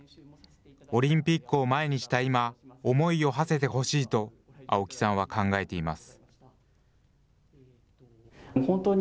オリンピックを前にした今、思いをはせてほしいと、青木さんは考えています。